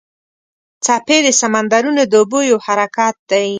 څپې د سمندرونو د اوبو یو حرکت دی.